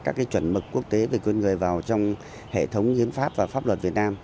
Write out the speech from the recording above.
các cái chuẩn mực quốc tế về quyền người vào trong hệ thống hiến pháp và pháp luật việt nam